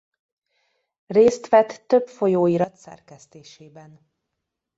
Részt vett több folyóirat szerkesztésében.